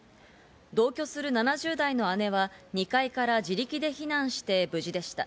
同居する７０代の姉は、２階から自力で避難して無事でした。